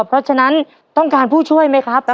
เพราะฉะนั้นต้องการผู้ช่วยไหมครับ